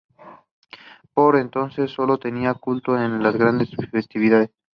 Por entonces solo tenía culto en las grandes festividades.